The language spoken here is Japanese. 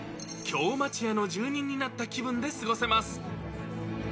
京町屋の住民になった気分で過ごせます。